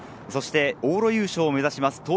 そして往路優勝を目指します